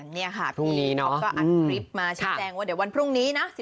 นี่ค่ะพี่ก็อัดคลิปมาชิมแจงว่าเดี๋ยววันพรุ่งนี้นะ